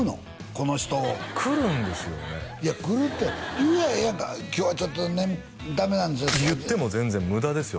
この人を来るんですよねいや来るって言やあええやんか「今日はちょっとダメなんですよ」って言っても全然無駄ですよ